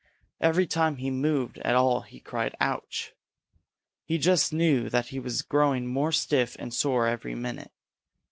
Every time he moved at all he cried "Ouch!" He just knew that he was growing more stiff and sore every minute.